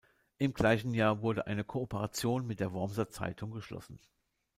Im gleichen Jahr wurde eine Kooperation mit der "Wormser Zeitung" geschlossen.